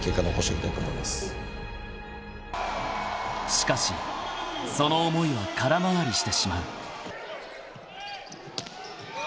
［しかしその思いは空回りしてしまう］